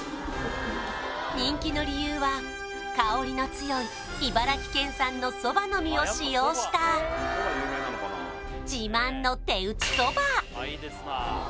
人気の理由は香りの強い茨城県産のそばの実を使用した自慢の手打ちそば